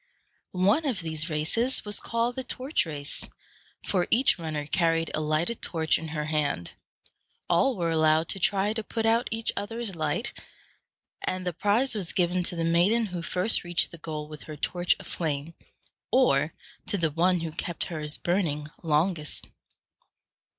One of these races was called the torch race, for each runner carried a lighted torch in her hand. All were allowed to try to put out each other's light; and the prize was given to the maiden who first reached the goal with her torch aflame, or to the one who kept hers burning longest.